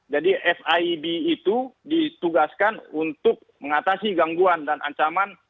jadi fib itu ditugaskan untuk mengatasi gangguan dan ancaman